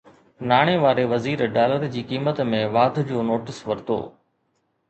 ناڻي واري وزير ڊالر جي قيمت ۾ واڌ جو نوٽيس ورتو